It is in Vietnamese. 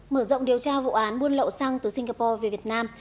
mở rộng điều tra vụ án buôn lậu xăng từ singapore về việt nam